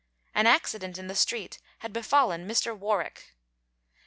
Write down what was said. An accident in the street had befallen Mr. Warwick.